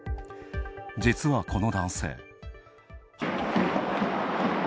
実は、この男性。